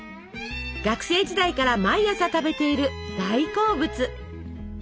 学生時代から毎朝食べている大好物。